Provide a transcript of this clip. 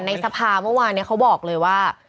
ในสภาเมื่อวานเขาบอกเลยว่า